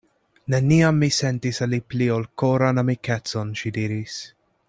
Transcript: Neniam mi sentis al li pli ol koran amikecon, ŝi diris.